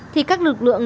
thì các lực lượng